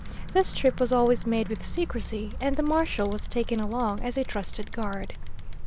This trip was always made with secrecy, and the marshal was taken along as a trusted guard.